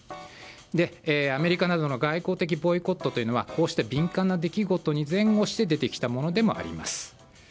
アメリカなどの外交的ボイコットというのはこうした敏感な出来事に前後して出てきたものでもあります。